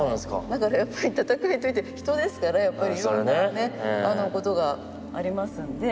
だからやっぱり戦いといって人ですからいろんなことがありますんで。